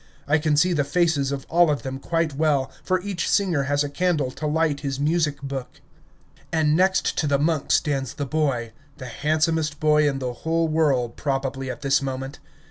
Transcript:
I can see the faces of all of them quite well, for each singer has a candle to light his music book. And next to the monk stands the boy, the handsomest boy in the whole world probably at this moment.